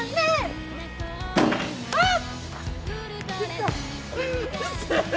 あっ。